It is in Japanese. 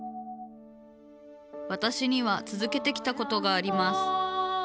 わたしにはつづけてきたことがあります。